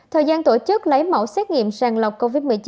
thời gian tổ chức lấy mẫu xét nghiệm sàng lọc covid một mươi chín